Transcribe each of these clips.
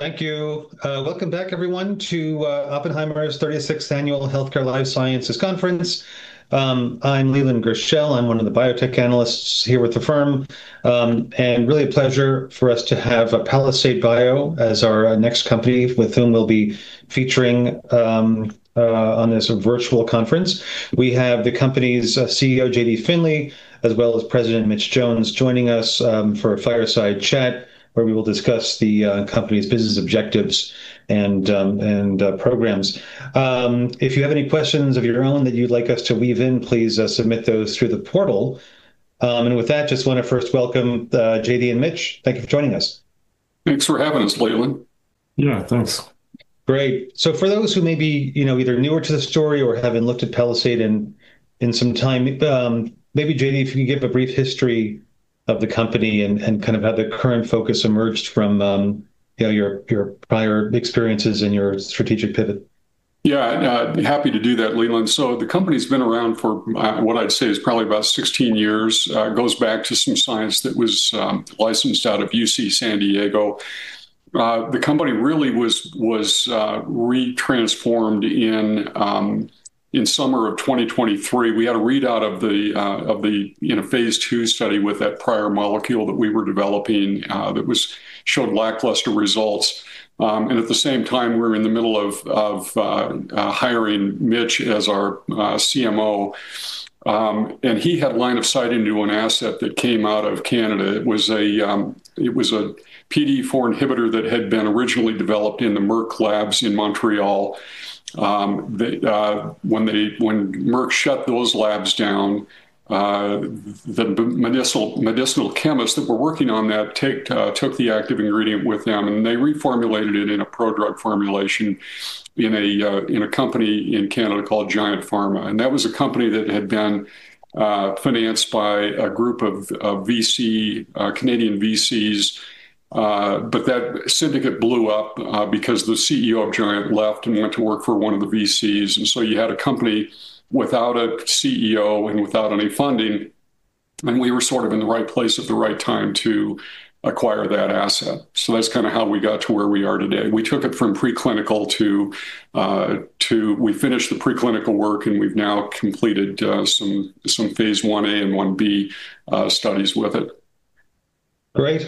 Thank you. Welcome back everyone to Oppenheimer's 36th Annual Healthcare Life Sciences Conference. I'm Leland Gershell. I'm one of the Biotech Analysts here with the firm. Really a pleasure for us to have Palisade Bio as our next company with whom we'll be featuring on this virtual conference. We have the company's CEO, J.D. Finley, as well as President Mitch Jones, joining us for a fireside chat, where we will discuss the company's business objectives and programs. If you have any questions of your own that you'd like us to weave in, please submit those through the portal. With that, just want to first welcome J.D. and Mitch. Thank you for joining us. Thanks for having us, Leland. Yeah, thanks. Great. For those who may be, you know, either newer to the story or haven't looked at Palisade in some time, maybe J.D., if you could give a brief history of the company and kind of how the current focus emerged from, you know, your prior experiences and your strategic pivot? Happy to do that, Leland. The company's been around for what I'd say is probably about 16 years. It goes back to some science that was licensed out of UC San Diego. The company really was re-transformed in summer of 2023. We had a readout of the, you know, phase II study with that prior molecule that we were developing that showed lackluster results. At the same time, we were in the middle of hiring Mitch as our CMO. He had line of sight into an asset that came out of Canada. It was a PDE4 inhibitor that had been originally developed in the Merck labs in Montreal. They. When Merck shut those labs down, the medicinal chemists that were working on that took the active ingredient with them, they reformulated it in a prodrug formulation in a company in Canada called Giiant Pharma. That was a company that had been financed by a group of VC Canadian VCs. But that syndicate blew up because the CEO of Giiant left and went to work for one of the VCs, you had a company without a CEO and without any funding, and we were sort of in the right place at the right time to acquire that asset. That's kind of how we got to where we are today. We took it from preclinical. We finished the preclinical work, and we've now completed some phase I-A and 1-B studies with it. Great.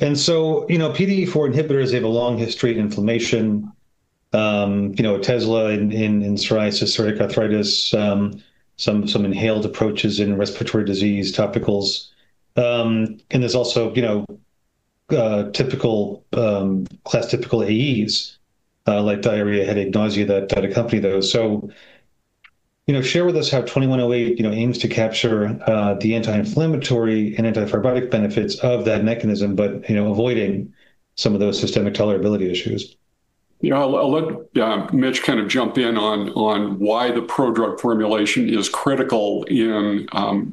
You know, PDE4 inhibitors have a long history of inflammation, you know, Otezla in psoriasis, psoriatic arthritis, some inhaled approaches in respiratory disease, topicals. There's also, you know, typical class-typical AEs, like diarrhea, headache, nausea, that accompany those. You know, share with us how PALI-2108, you know, aims to capture the anti-inflammatory and antifibrotic benefits of that mechanism, but, you know, avoiding some of those systemic tolerability issues. Yeah, I'll let Mitch kind of jump in on why the prodrug formulation is critical in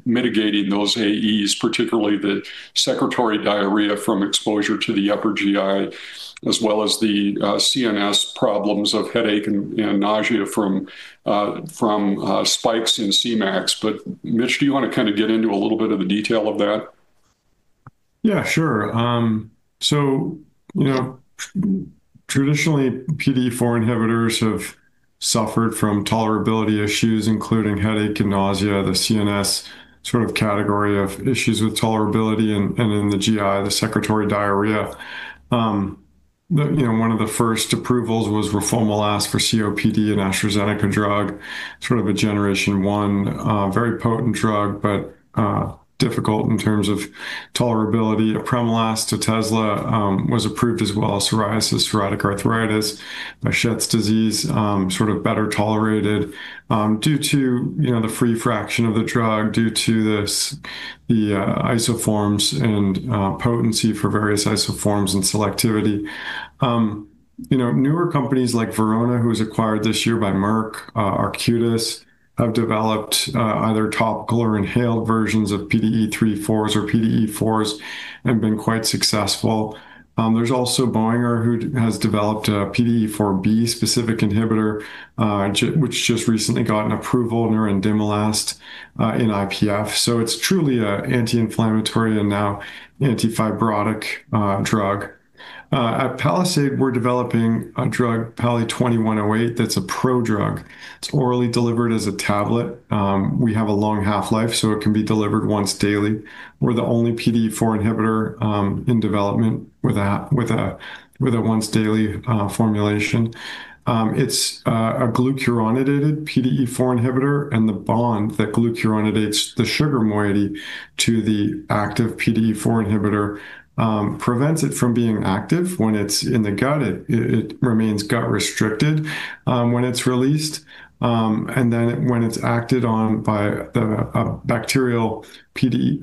mitigating those AEs, particularly the secretory diarrhea from exposure to the upper GI, as well as the CNS problems of headache and nausea from spikes in Cmax. Mitch, do you want to kind of get into a little bit of the detail of that? Sure. You know, traditionally, PDE4 inhibitors have suffered from tolerability issues, including headache and nausea, the CNS sort of category of issues with tolerability, and in the GI, the secretory diarrhea. The, you know, one of the first approvals was roflumilast for COPD, an AstraZeneca drug, sort of a generation 1, very potent drug, but difficult in terms of tolerability. apremilast Otezla was approved as well as psoriasis, psoriatic arthritis, Behçet's disease, sort of better tolerated, due to, you know, the free fraction of the drug, due to this, the isoforms and potency for various isoforms and selectivity. You know, newer companies like Verona, who was acquired this year by Merck, Arcutis, have developed either topical or inhaled versions of PDE3, fours or PDE4s, and been quite successful. There's also Boehringer, who has developed a PDE4B specific inhibitor, which just recently got an approval nerandomilast in IPF. It's truly a anti-inflammatory and now antifibrotic drug. At Palisade, we're developing a drug, PALI-2108, that's a prodrug. It's orally delivered as a tablet. We have a long half-life, it can be delivered once daily. We're the only PDE4 inhibitor in development with a once daily formulation. It's a glucuronidated PDE4 inhibitor, the bond that glucuronidates the sugar moiety to the active PDE4 inhibitor prevents it from being active. When it's in the gut, it remains gut restricted, when it's released, and then when it's acted on by the bacterial PDE,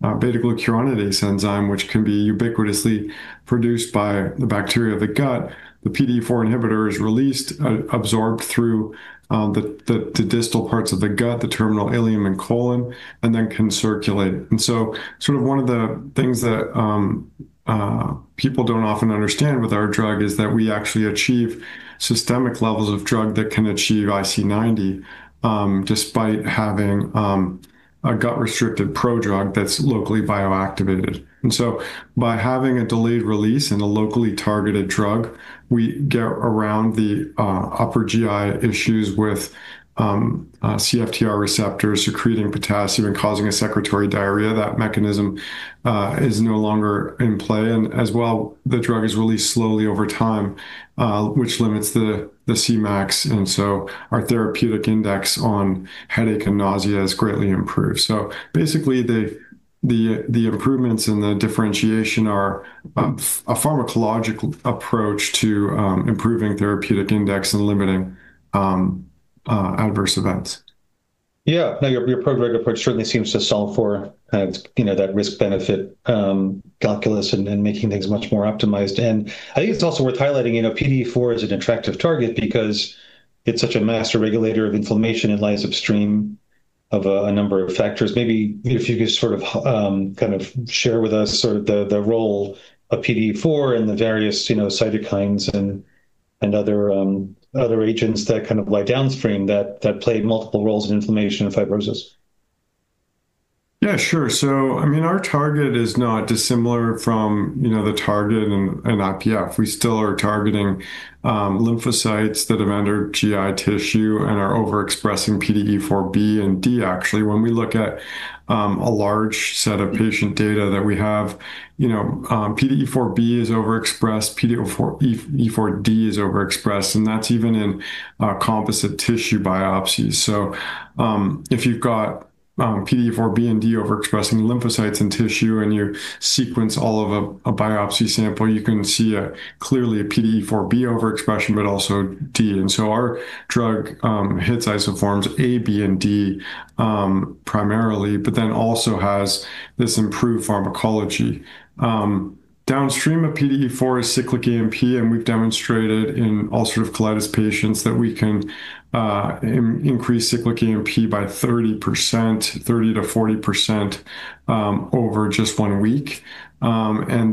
β-glucuronidase enzyme, which can be ubiquitously produced by the bacteria of the gut, the PDE4 inhibitor is released, absorbed through the distal parts of the gut, the terminal ileum and colon, and then can circulate. Sort of one of the things that people don't often understand with our drug is that we actually achieve systemic levels of drug that can achieve IC90 despite having a gut-restricted prodrug that's locally bioactivated. By having a delayed release in a locally targeted drug, we get around the upper GI issues with CFTR receptors secreting potassium and causing a secretory diarrhea. That mechanism is no longer in play, and as well, the drug is released slowly over time, which limits the Cmax, and so our therapeutic index on headache and nausea is greatly improved. Basically, the improvements in the differentiation are a pharmacological approach to improving therapeutic index and limiting adverse events. Yeah. Now, your prodrug approach certainly seems to solve for, you know, that risk-benefit calculus and then making things much more optimized. I think it's also worth highlighting, you know, PDE4 is an attractive target because it's such a master regulator of inflammation. It lies upstream of a number of factors. Maybe if you could sort of kind of share with us sort of the role of PDE4 and the various, you know, cytokines and other agents that kind of lie downstream, that play multiple roles in inflammation and fibrosis. Yeah, sure. I mean, our target is not dissimilar from, you know, the target in IPF. We still are targeting lymphocytes that have entered GI tissue and are overexpressing PDE4B and D, actually. When we look at a large set of patient data that we have, you know, PDE4B is overexpressed, PDE4D is overexpressed, and that's even in composite tissue biopsies. If you've got PDE4B and D overexpressing lymphocytes and tissue, and you sequence all of a biopsy sample, you can see a clearly a PDE4B overexpression, but also D. Our drug hits isoforms A, B, and D primarily, but then also has this improved pharmacology. Downstream of PDE4 is cyclic AMP, and we've demonstrated in ulcerative colitis patients that we can increase cyclic AMP by 30%, 30%-40%, over just one week. Downstream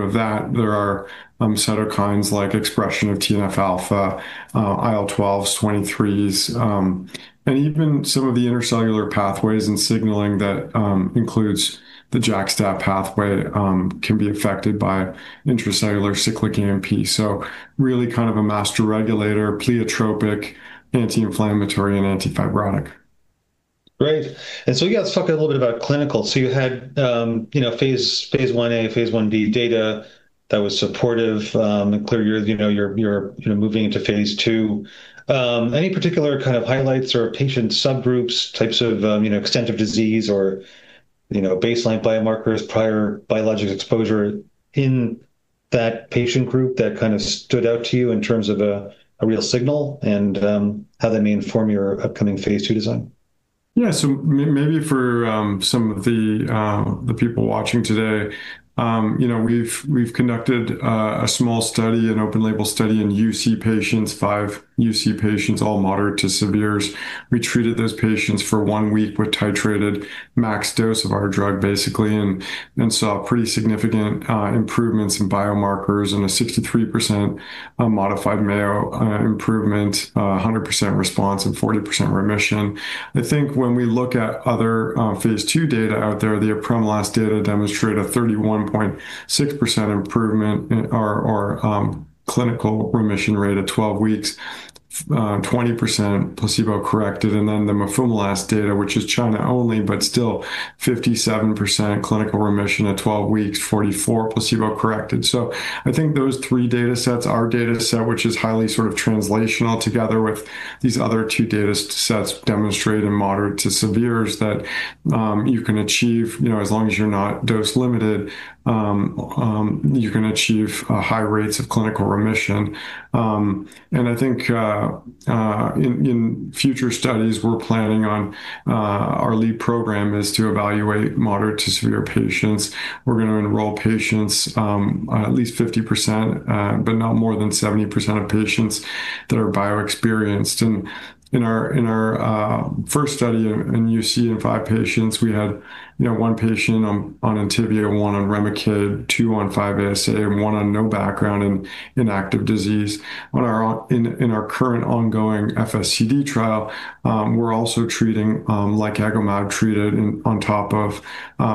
of that, there are cytokines like expression of TNF-α, IL-12s, 23s, and even some of the intercellular pathways and signaling that includes the JAK-STAT pathway can be affected by intracellular cyclic AMP. Really kind of a master regulator, pleiotropic, anti-inflammatory, and antifibrotic. Great. Yeah, let's talk a little bit about clinical. You had, you know, phase I-A, phase I-B data that was supportive, and clear you're, you know, you're, you know, moving into phase II. Any particular kind of highlights or patient subgroups, types of, you know, extent of disease or, you know, baseline biomarkers, prior biologic exposure in that patient group that kind of stood out to you in terms of a real signal, and how they may inform your upcoming phase II design? Yeah. So maybe for some of the people watching today, you know, we've conducted a small study, an open label study in UC patients, five UC patients, all moderate to severes. We treated those patients for one week with titrated max dose of our drug, basically, and saw pretty significant improvements in biomarkers and a 63% modified Mayo improvement, 100% response, and 40% remission. I think when we look at other phase II data out there, the apremilast data demonstrate a 31.6% improvement in... or, clinical remission rate at 12 weeks, 20% placebo-corrected, and then the mufimlast data, which is China only, but still 57% clinical remission at 12 weeks, 44 placebo-corrected. I think those three data sets, our data set, which is highly sort of translational, together with these other two data sets, demonstrate in moderate to severes that, you can achieve, you know, as long as you're not dose limited, you can achieve high rates of clinical remission. I think in future studies, we're planning on our lead program is to evaluate moderate to severe patients. We're going to enroll patients, at least 50%, but not more than 70% of patients that are bio-experienced. In our first study in UC, in five patients, we had, you know, one patient on ENTYVIO, one on REMICADE, two on 5-ASA, and one on no background in inactive disease. On our in our current ongoing FSCD trial, we're also treating, like Agomab treated in, on top of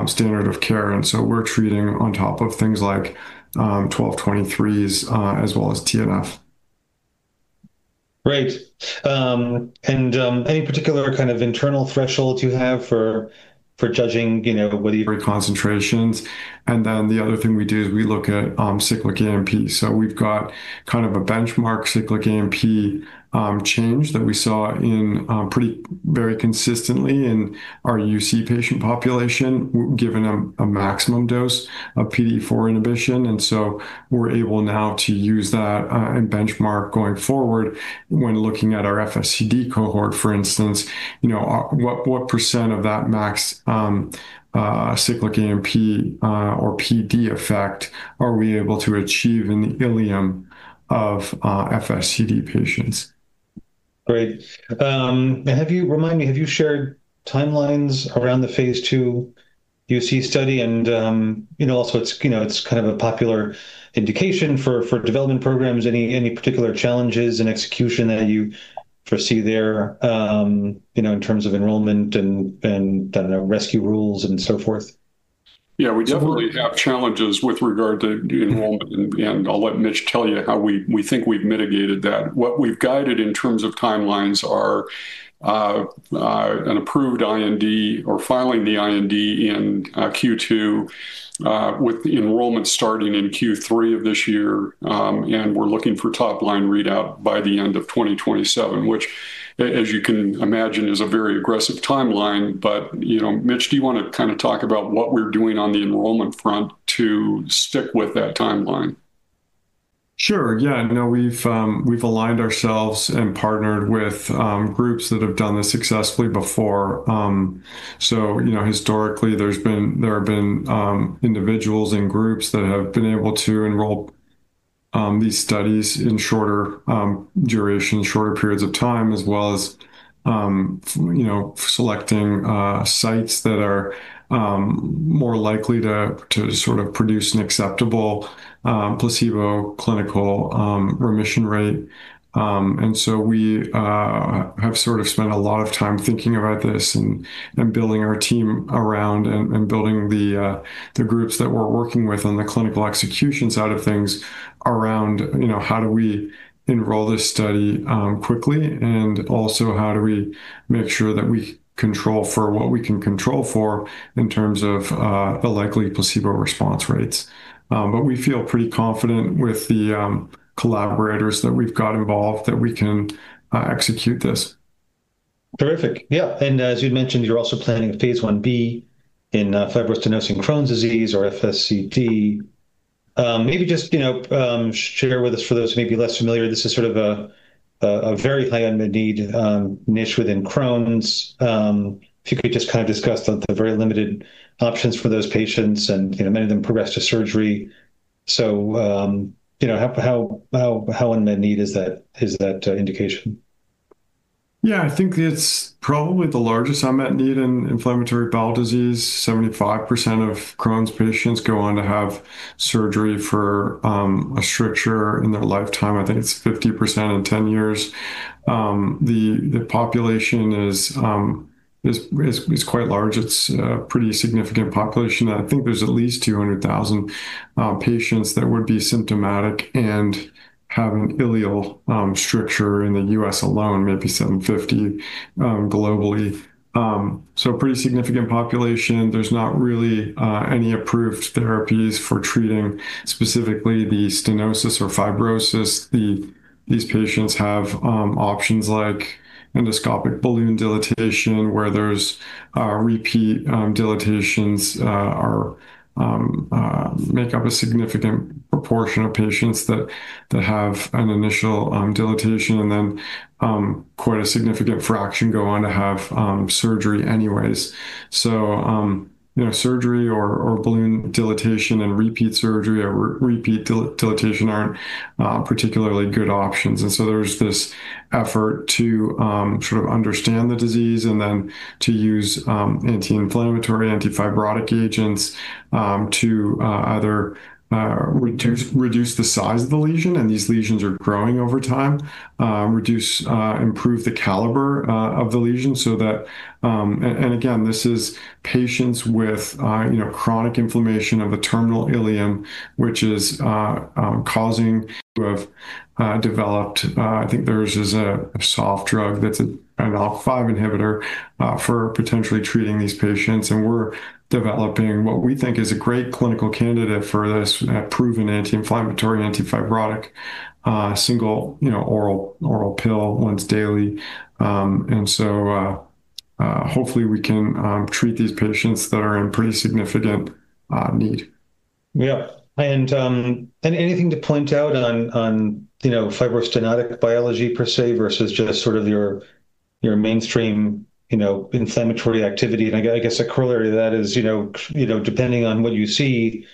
standard of care, and so we're treating on top of things like 12, 23s, as well as TNF. Great. Any particular kind of internal thresholds you have for judging, you know. Concentrations. The other thing we do is we look at cyclic AMP. We've got kind of a benchmark cyclic AMP change that we saw in pretty, very consistently in our UC patient population, given a maximum dose of PDE4 inhibition. We're able now to use that and benchmark going forward when looking at our FSCD cohort, for instance, you know, what percent of that max cyclic AMP or PD effect are we able to achieve in the ileum of FSCD patients? Great. Remind me, have you shared timelines around the phase II UC study? You know, also it's, you know, it's kind of a popular indication for development programs. Any particular challenges in execution that you foresee there, you know, in terms of enrollment and, I don't know, rescue rules and so forth? We definitely have challenges with regard to enrollment, and I'll let Mitch tell you how we think we've mitigated that. What we've guided in terms of timelines are an approved IND or filing the IND in Q2, with the enrollment starting in Q3 of this year. We're looking for top-line readout by the end of 2027, which, as you can imagine, is a very aggressive timeline. You know, Mitch, do you want to kind of talk about what we're doing on the enrollment front to stick with that timeline? Sure, yeah. You know, we've aligned ourselves and partnered with groups that have done this successfully before. You know, historically, there have been individuals and groups that have been able to enroll these studies in shorter duration, shorter periods of time, as well as, you know, selecting sites that are more likely to sort of produce an acceptable placebo clinical remission rate. We have sort of spent a lot of time thinking about this and building our team around and building the groups that we're working with on the clinical execution side of things around, you know, how do we enroll this study quickly, and also how do we make sure that we control for what we can control for in terms of the likely placebo response rates. We feel pretty confident with the collaborators that we've got involved, that we can execute this. Terrific. Yeah, and as you mentioned, you're also planning a phase I-B in fibrostenosing Crohn's disease or FSCD. Maybe just, you know, share with us for those who may be less familiar, this is sort of a very high unmet need, niche within Crohn's. If you could just kind of discuss the very limited options for those patients, and, you know, many of them progress to surgery. You know, how unmet need is that indication? Yeah, I think it's probably the largest unmet need in inflammatory bowel disease. 75% of Crohn's patients go on to have surgery for a stricture in their lifetime. I think it's 50% in 10 years. The population is quite large. It's a pretty significant population. I think there's at least 200,000 patients that would be symptomatic and have an ileal stricture in the U.S. alone, maybe 750 globally. Pretty significant population. There's not really any approved therapies for treating specifically the stenosis or fibrosis. These patients have options like endoscopic balloon dilation, where there are repeat dilatations make up a significant proportion of patients that have an initial dilatation, then quite a significant fraction go on to have surgery anyways. You know, surgery or balloon dilatation and repeat surgery or repeat dilatation aren't particularly good options. There's this effort to sort of understand the disease and then to use anti-inflammatory, antifibrotic agents to either reduce the size of the lesion, and these lesions are growing over time, reduce, improve the caliber of the lesion so that... Again, this is patients with, you know, chronic inflammation of the terminal ileum, which is causing to have developed, I think there's just a soft drug that's an IL-5 inhibitor for potentially treating these patients, and we're developing what we think is a great clinical candidate for this, proven anti-inflammatory, antifibrotic, single, you know, oral pill once daily. Hopefully, we can treat these patients that are in pretty significant need. Yeah. Anything to point out on, you know, fibrostenotic biology per se, versus just sort of your mainstream, you know, inflammatory activity? I guess a corollary to that is, you know, you know, depending on what you see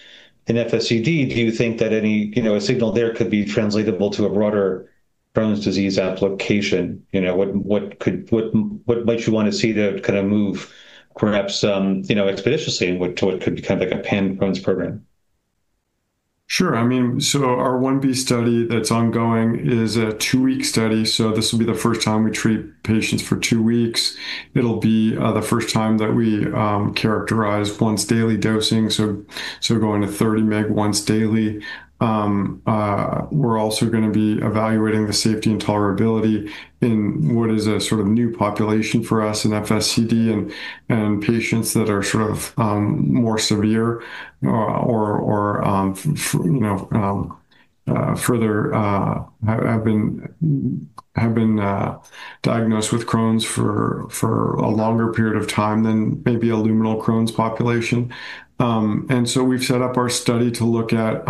in FSCD, do you think that any, you know, a signal there could be translatable to a broader Crohn's disease application? You know, what might you want to see to kind of move perhaps, you know, expeditiously toward kind of like a pan-Crohn's program? Sure. I mean, our 1B study that's ongoing is a two-week study, so this will be the first time we treat patients for two weeks. It'll be the first time that we characterize once-daily dosing, so going to 30 mg once daily. We're also gonna be evaluating the safety and tolerability in what is a sort of new population for us in FSCD and patients that are sort of, you know, further have been diagnosed with Crohn's for a longer period of time than maybe a luminal Crohn's population. We've set up our study to look at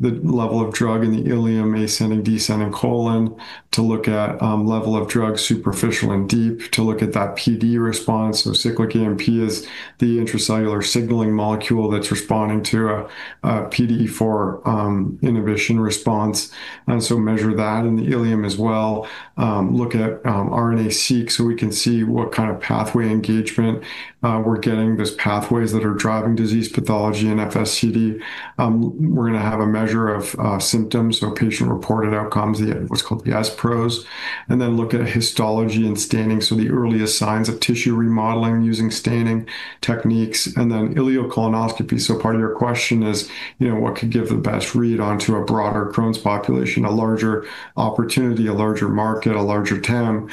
the level of drug in the ileum, ascending, descending colon, to look at level of drug superficial and deep, to look at that PDE response. cyclic AMP is the intracellular signaling molecule that's responding to a PDE4 inhibition response, and so measure that in the ileum as well. Look at RNA-Seq, so we can see what kind of pathway engagement we're getting. There's pathways that are driving disease pathology and FSCD. We're gonna have a measure of symptoms, so patient-reported outcomes, the what's called the sPROs, and then look at histology and staining, so the earliest signs of tissue remodeling using staining techniques, and then ileocolonoscopy. Part of your question is, you know, what could give the best read onto a broader Crohn's population, a larger opportunity, a larger market, a larger TAM?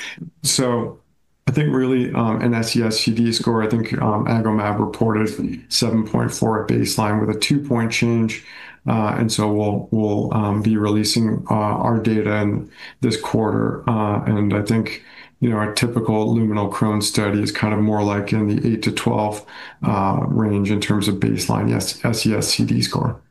I think really an SES-CD score, I think, Agomab reported seven point four at baseline with a two-point change. We'll be releasing our data in this quarter. I think, you know, our typical luminal Crohn's study is kind of more like in the 8-12 range in terms of baseline, yes, SES-CD score.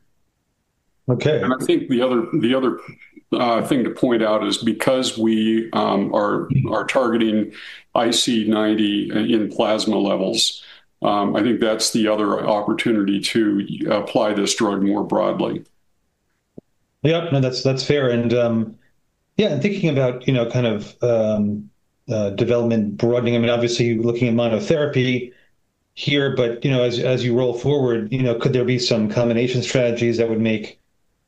Okay. I think the other thing to point out is because we are targeting IC90 in plasma levels, I think that's the other opportunity to apply this drug more broadly. Yep. No, that's fair. Yeah, and thinking about, you know, kind of development broadening, I mean, obviously, looking at monotherapy here, but, you know, as you roll forward, you know, could there be some combination strategies that would make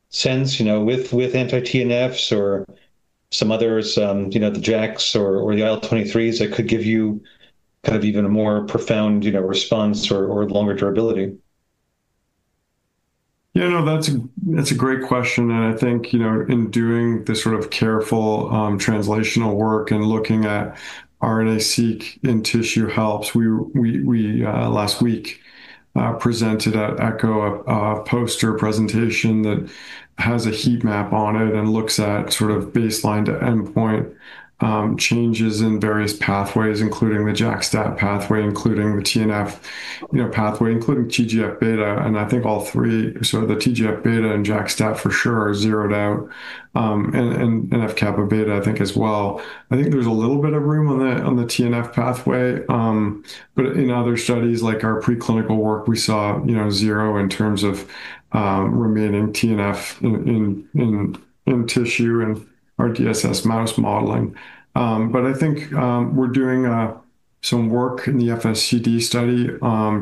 sense, you know, with anti-TNFs or some others, you know, the JAKs or the IL-23s that could give you kind of even a more profound, you know, response or longer durability? No, that's a, that's a great question. I think, you know, in doing this sort of careful translational work and looking at RNA-Seq in tissue helps. We last week presented at ECCO, a poster presentation that has a heat map on it and looks at sort of baseline to endpoint changes in various pathways, including the JAK-STAT pathway, including the TNF, you know, pathway, including TGF-β, and I think all three. The TGF-β and JAK-STAT for sure are zeroed out, and NF-κB, I think, as well. I think there's a little bit of room on the TNF pathway. In other studies, like our preclinical work, we saw, you know, zero in terms of remaining TNF in tissue and RDSS mouse modeling. I think we're doing some work in the FSCD study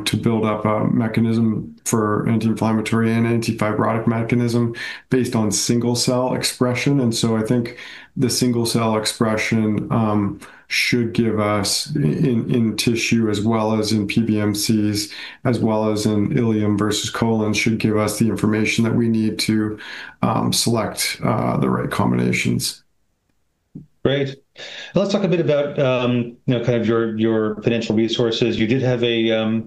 to build up a mechanism for anti-inflammatory and anti-fibrotic mechanism based on single-cell expression. I think the single-cell expression should give us in tissue as well as in PBMCs, as well as in ileum versus colon, should give us the information that we need to select the right combinations. Great. Let's talk a bit about, you know, kind of your financial resources. You did have a, you know,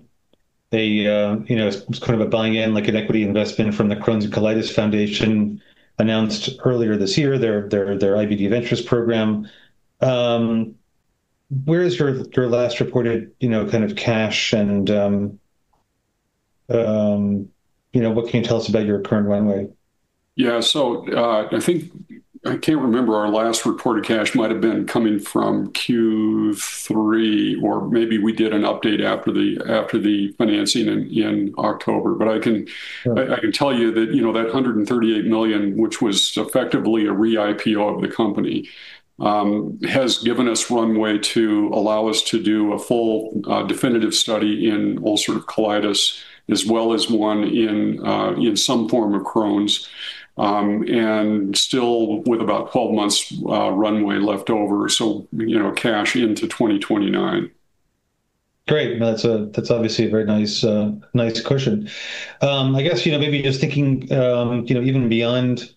it was kind of a buy-in, like an equity investment from the Crohn's and Colitis Foundation announced earlier this year, their IBD of Interest program. Where is your last reported, you know, kind of cash and, you know, what can you tell us about your current runway? Yeah. I can't remember. Our last reported cash might have been coming from Q3, or maybe we did an update after the financing in October. I can. Sure... I can tell you that, you know, that $138 million, which was effectively a re-IPO of the company, has given us runway to allow us to do a full, definitive study in ulcerative colitis, as well as one in some form of Crohn's, and still with about 12 months runway left over, so, you know, cash into 2029. Great. That's that's obviously a very nice nice cushion. I guess, you know, maybe just thinking, you know, even beyond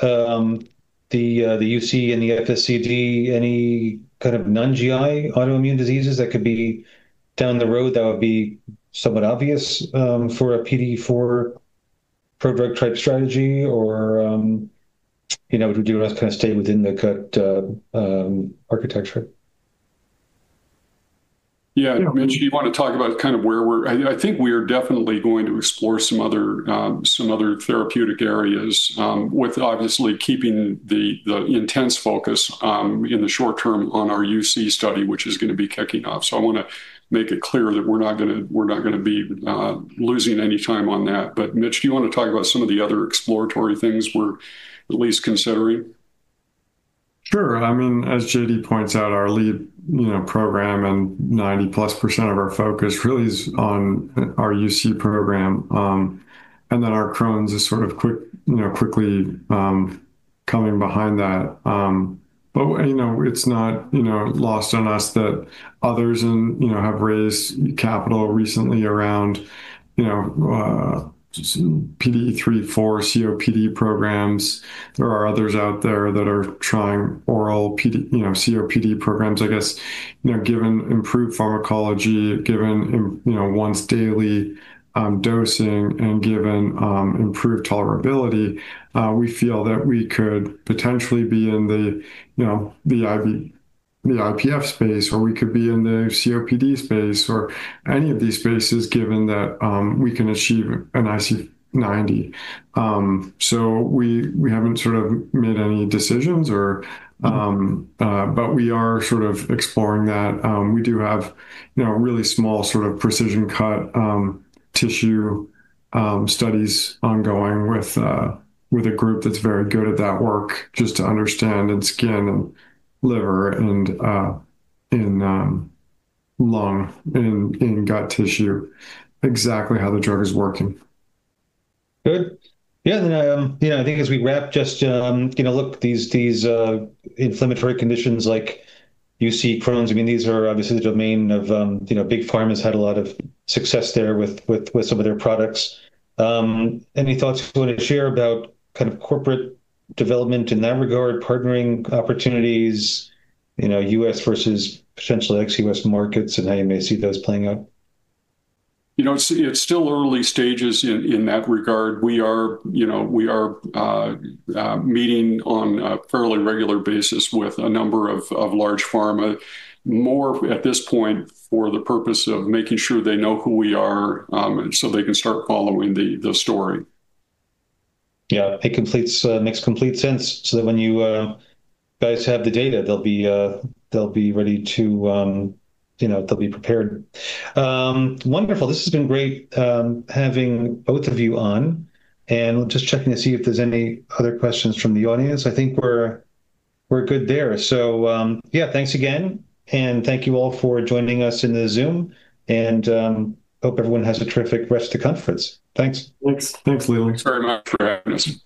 the UC and the FSCD, any kind of non-GI autoimmune diseases that could be down the road that would be somewhat obvious for a PDE4 prodrug type strategy? Would you kind of stay within the CUT architecture? Yeah. Mitch, do you want to talk about kind of where we are definitely going to explore some other therapeutic areas, with obviously keeping the intense focus in the short term on our UC study, which is gonna be kicking off. I want to make it clear that we're not gonna be losing any time on that. Mitch, do you want to talk about some of the other exploratory things we're at least considering? Sure. I mean, as J.D. points out, our lead, you know, program and 90-plus percent of our focus really is on our UC program, and then our Crohn's is sort of quick, you know, quickly, coming behind that. You know, it's not, you know, lost on us that others and, you know, have raised capital recently around, you know, PDE3, 4, COPD programs. There are others out there that are trying oral PDE, you know, COPD programs. I guess, you know, given improved pharmacology, given, you know, once daily, dosing, and given improved tolerability, we feel that we could potentially be in the, you know, the IPF space, or we could be in the COPD space, or any of these spaces, given that we can achieve an IC90. We haven't sort of made any decisions or, but we are sort of exploring that. We do have, you know, a really small sort of precision-cut tissue studies ongoing with a group that's very good at that work, just to understand in skin and liver and in lung and in gut tissue, exactly how the drug is working. Good. Yeah, then, yeah, I think as we wrap, just, you know, look, these inflammatory conditions like UC Crohn's, I mean, these are obviously the domain of, you know, big pharma has had a lot of success there with some of their products. Any thoughts you want to share about kind of corporate development in that regard, partnering opportunities, you know, U.S. versus potentially ex-U.S. markets, and how you may see those playing out? You know, it's still early stages in that regard. We are, you know, we are meeting on a fairly regular basis with a number of large pharma, more at this point for the purpose of making sure they know who we are, so they can start following the story. Yeah. It completes makes complete sense, so that when you guys have the data, they'll be they'll be ready to, you know, they'll be prepared. Wonderful! This has been great, having both of you on, and just checking to see if there's any other questions from the audience. I think we're good there. Yeah, thanks again, and thank you all for joining us in the Zoom, and hope everyone has a terrific rest of the conference. Thanks. Thanks. Thanks, Leland. Thanks very much for having us. Great.